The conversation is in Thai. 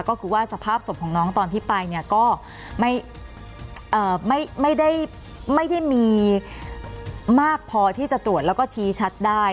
ก็คือว่าสภาพศพของน้องตอนที่ไปเนี่ยก็ไม่ได้มีมากพอที่จะตรวจแล้วก็ชี้ชัดได้